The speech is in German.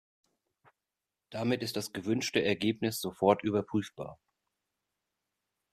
Damit ist das gewünschte Ergebnis sofort überprüfbar.